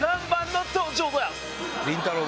りんたろー。